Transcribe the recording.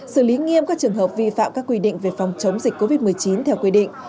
xử lý nghiêm các trường hợp vi phạm các quy định về phòng chống dịch covid một mươi chín theo quy định